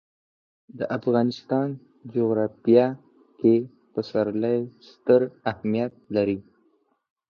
د افغانستان جغرافیه کې پسرلی ستر اهمیت لري.